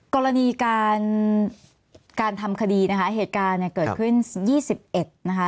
กรณีการการทำคดีนะคะเหตุการณ์เนี่ยเกิดขึ้น๒๑นะคะ